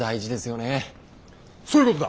そういうことだ。